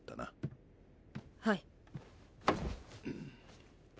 はい。